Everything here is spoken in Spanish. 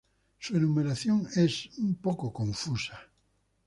Su enumeración es un poco confusa.